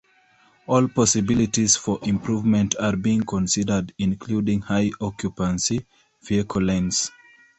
All possibilities for improvement are being considered, including high-occupancy vehicle lanes.